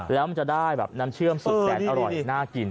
แล้วมันจะได้แบบน้ำเชื่อมสุดแสนอร่อยน่ากิน